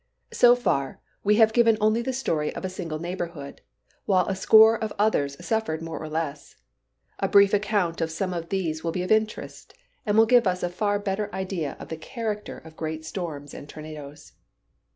So far, we have given only the story of a single neighborhood; while a score of others suffered more or less. A brief account of some of these will be of interest, and will give us a far better idea of the character of great storms and tornadoes.